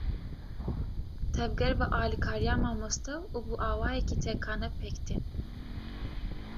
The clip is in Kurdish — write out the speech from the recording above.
Tevger bi alîkariya mamoste û bi awayekî tekane, pêk tên.